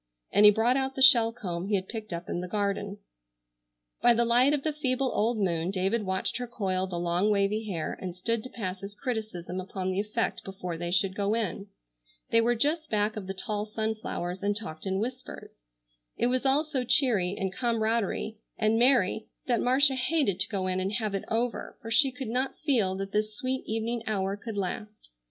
and he brought out the shell comb he had picked up in the garden. By the light of the feeble old moon David watched her coil the long wavy hair and stood to pass his criticism upon the effect before they should go in. They were just back of the tall sunflowers, and talked in whispers. It was all so cheery, and comradey, and merry, that Marcia hated to go in and have it over, for she could not feel that this sweet evening hour could last.